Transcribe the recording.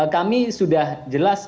kami sudah jelas